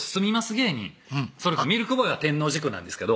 芸人ミルクボーイは天王寺区なんですけど